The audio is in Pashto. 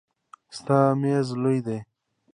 ستا میز لوی دی.